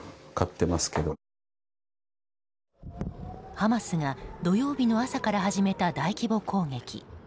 ハマスが土曜日の朝から始めた大規模攻撃。